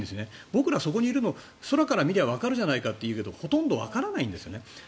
僕ら、そこにいるの空から見ればわかるじゃないかっていうけどほとんどわからないんですね。